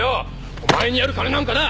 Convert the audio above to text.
お前にやる金なんかな